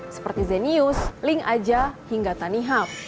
seperti zenius ling aja hingga tanihab